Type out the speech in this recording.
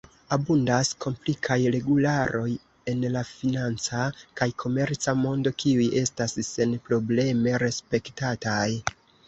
Abundas komplikaj regularoj en la financa kaj komerca mondo kiuj estas senprobleme respektataj.